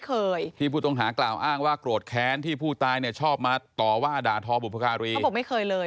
เขาบอกไม่เคยเลย